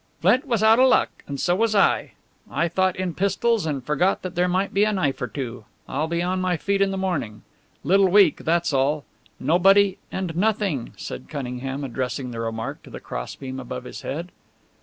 "Flint was out of luck and so was I! I thought in pistols, and forgot that there might be a knife or two. I'll be on my feet in the morning. Little weak, that's all. Nobody and nothing!" said Cunningham, addressing the remark to the crossbeam above his head.